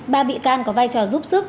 ba bị can có vai trò giúp sức